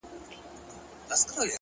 پوه انسان له پوښتنې نه شرمیږي.!